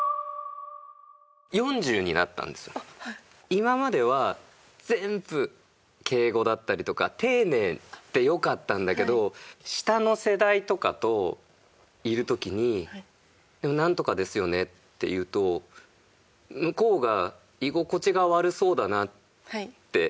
今までは全部敬語だったりとか丁寧でよかったんだけど下の世代とかといる時に「でもナントカですよね」って言うと向こうが居心地が悪そうだなって思う瞬間あるんですよ。